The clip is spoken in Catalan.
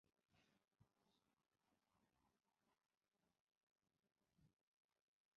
El fruit és una drupa esfèrica de color vermellós i marró està madur.